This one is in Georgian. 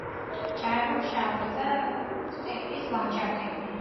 ჭარბობს შავმიწა სტეპის ლანდშაფტები.